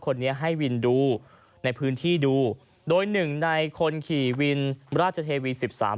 คนนี้ให้วินดูในพื้นที่ดูโดยหนึ่งในคนขี่วินราชเทวีสิบสาม